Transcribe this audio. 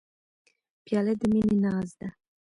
پیاله د مینې ناز ده.